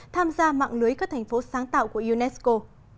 tham gia mạng lưới các thành phố sáng tạo của unesco